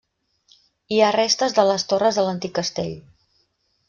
Hi ha restes de les torres de l'antic castell.